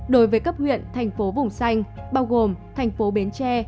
đối với cấp huyện thành phố vùng xanh bao gồm thành phố bến tre